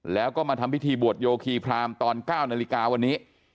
แล้วก็มาทำพิธีบวชโยคีพรามตอน๙นาฬิกาวันนี้